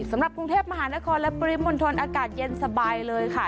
สำหรับกรุงเทพมหานครและปริมณฑลอากาศเย็นสบายเลยค่ะ